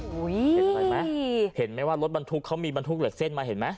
เห็นอะไรไหมเห็นไหมว่ารถบรรทุกเขามีบรรทุกเหล็กเส้นมาเห็นไหม